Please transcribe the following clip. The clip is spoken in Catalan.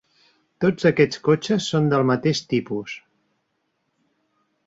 Tots aquests cotxes són del mateix tipus.